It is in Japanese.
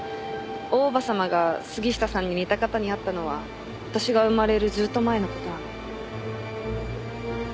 大叔母様が杉下さんに似た方に会ったのは私が生まれるずっと前の事なのに。